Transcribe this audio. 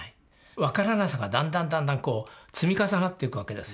分からなさがだんだんだんだん積み重なっていくわけですよ